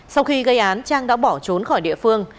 sau khi gây án trang đã bỏ trốn khỏi địa phương